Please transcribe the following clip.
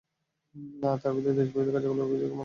তার বিরুদ্ধে দেশবিরোধী কার্যকলাপের অভিযোগে মামলা করেছে পুলিশ।